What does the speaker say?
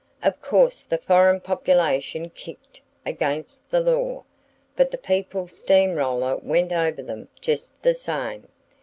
Of course the foreign population "kicked" against the law, but the People's steam roller went over them just the same.